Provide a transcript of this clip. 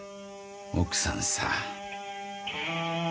奥さんさ。